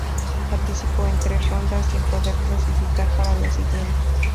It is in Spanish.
Participó en tres rondas, sin poder clasificar para la siguiente.